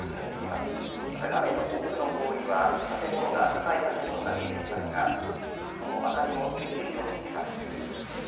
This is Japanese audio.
また画面の奥のほうには、建物が、高い建物が見えていますが、その明かりもついているように見えます。